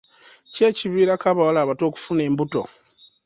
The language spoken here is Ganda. ki ekiviirako abawala abato okufuna embuto?